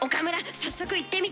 早速言ってみて。